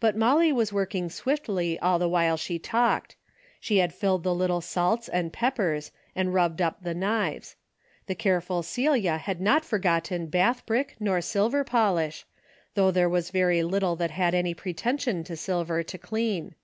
But Molly Avaa Avorking swiftly all the Avhile she talked. She had filled the little salts and peppers, and rubbed up the knives. The care ful Celia had not forgotten bath brick nor 144 A DAILY BATE:^ silver polish, though there was very little that had any pretension to silver to clean.